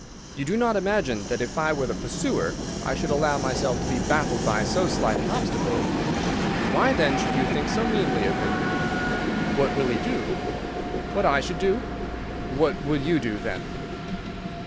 You do not imagine that if I were the pursuer I should allow myself to be baffled by so slight an obstacle. Why, then, should you think so meanly of him?" "What will he do?" "What I should do?" "What would you do, then?"